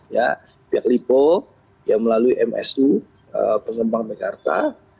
ya pihak lipo yang melalui msu pengembang mekarta